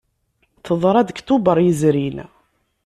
Teḍra-d deg Tubeṛ yezrin.